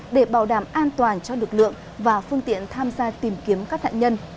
để bảo đảm an toàn cho lực lượng và phương tiện tham gia tìm kiếm các nạn nhân